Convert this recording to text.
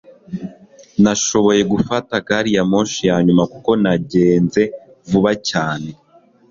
nashoboye gufata gari ya moshi ya nyuma kuko nagenze vuba cyane